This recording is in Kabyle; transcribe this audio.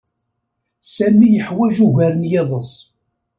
Sami yeḥwaj ugar n yiḍes.